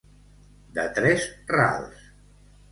De tres rals.